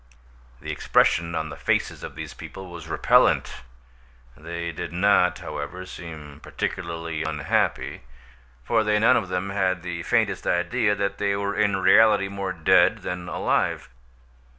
The expression on the faces of these people was repellent; they did not, however, seem particularly unhappy, for they none of them had the faintest idea that they were in reality more dead than alive.